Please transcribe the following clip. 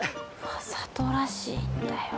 わざとらしいんだよ。